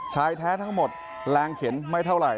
ชายแท้ทั้งหมดแรงเขียนไม่เท่าไหร